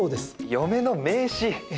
嫁の名刺。